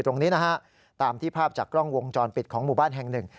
ตรงนี้นะฮะตามที่ภาพจากกล้องวงจรปิดของหมู่บ้านแห่งหนึ่ง